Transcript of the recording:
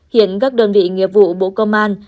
hiện các đơn vị nghiệp vụ bộ công an